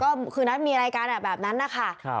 ก็คือนัดมีรายการแบบนั้นนะค่ะ